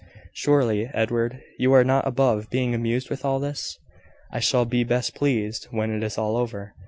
Surely, Edward, you are not above being amused with all this?" "I shall be best pleased when it is all over.